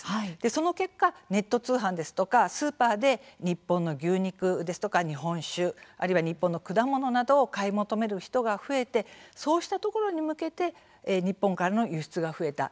その結果ネット通販ですとかスーパーで日本の牛肉ですとか日本酒あるいは日本の果物などを買い求める人が増えてそうしたところに向けて日本からの輸出が増えた。